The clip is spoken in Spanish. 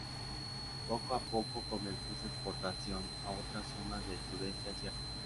Poco a poco comenzó su exportación a otras zonas del Sudeste Asiático.